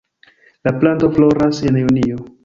La planto floras en junio.